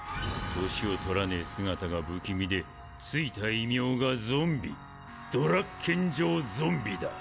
年を取らねえ姿が不気味で付いた異名がゾンビＤＪゾンビだ。